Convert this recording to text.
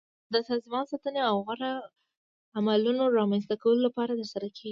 د سازمان ساتنې او غوره عملونو رامنځته کولو لپاره ترسره کیږي.